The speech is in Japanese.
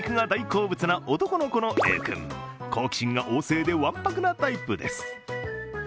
好奇心が旺盛でわんぱくなタイプです。